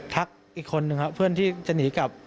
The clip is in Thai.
อีกคนนึงครับเพื่อนที่จะหนีกลับ